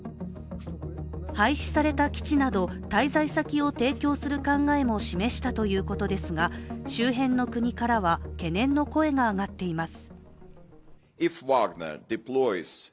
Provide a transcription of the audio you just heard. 廃止された基地など、滞在先を提供する考えも示したということですが周辺の国からは、懸念の声が上がっています。